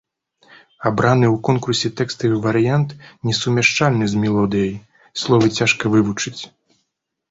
Абраны ў конкурсе тэкставы варыянт несумяшчальны з мелодыяй, словы цяжка вывучыць.